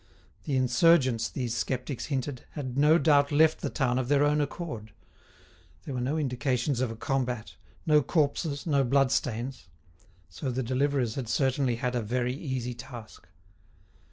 The insurgents, these sceptics hinted, had no doubt left the town of their own accord. There were no indications of a combat, no corpses, no blood stains. So the deliverers had certainly had a very easy task.